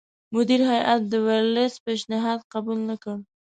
مدیره هیات د ورلسټ پېشنهاد قبول نه کړ.